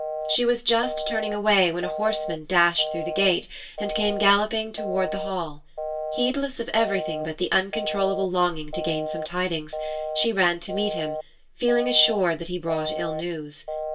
She was just turning away when a horseman dashed through the gate and came galloping toward the Hall. Heedless of everything but the uncontrollable longing to gain some tidings, she ran to meet him, feeling assured that he brought ill news.